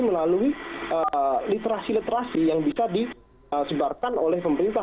melalui literasi literasi yang bisa disebarkan oleh pemerintah